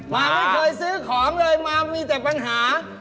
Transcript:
มาไม่เคยซื้อของเลยมามีแต่ปัญหา